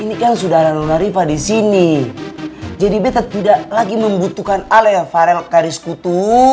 ini kan sudah ada nona riva disini jadi betta tidak lagi membutuhkan ale ya farel garis kutu